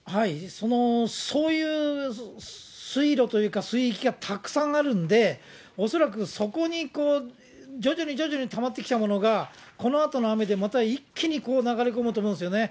そういう水路というか、水域がたくさんあるんで、恐らくそこに徐々に徐々にたまってきたものが、このあとの雨で、また一気にこう流れ込むと思うんですよね。